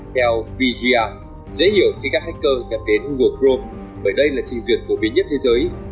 theo vgr dễ hiểu khi các hacker nhận đến google chrome bởi đây là trình duyệt của viên nhất thế giới